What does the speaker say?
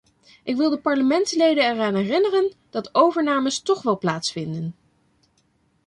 Ik wil de parlementsleden eraan herinneren dat overnames toch wel plaatsvinden.